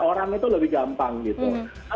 orang itu lebih gampang gitu